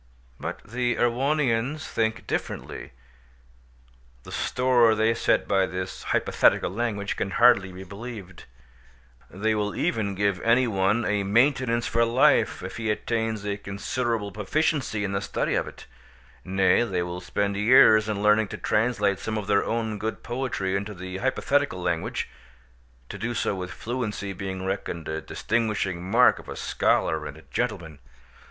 But the Erewhonians think differently; the store they set by this hypothetical language can hardly be believed; they will even give any one a maintenance for life if he attains a considerable proficiency in the study of it; nay, they will spend years in learning to translate some of their own good poetry into the hypothetical language—to do so with fluency being reckoned a distinguishing mark of a scholar and a gentleman.